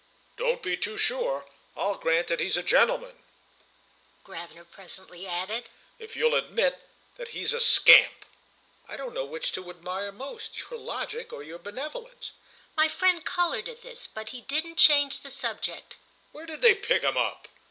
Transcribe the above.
"Don't be too sure! I'll grant that he's a gentleman," Gravener presently added, "if you'll admit that he's a scamp." "I don't know which to admire most, your logic or your benevolence." My friend coloured at this, but he didn't change the subject. "Where did they pick him up?"